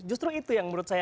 justru itu yang menurut saya